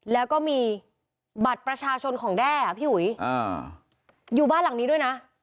แล้วก็มีบัตรประชาชนของแด้อ่ะพี่อุ๋ยอยู่บ้านหลังนี้ด้วยนะ